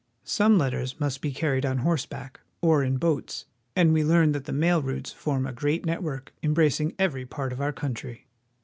Some letters must be carried on horse back or in boats, and we learn that the mail routes form a great network embracing every part of our country.